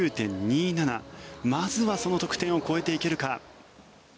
まずはその得点を超えていけるか。